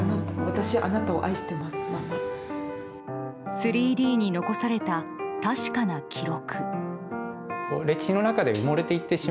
３Ｄに残された確かな記録。